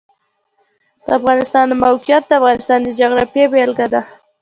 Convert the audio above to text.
د افغانستان د موقعیت د افغانستان د جغرافیې بېلګه ده.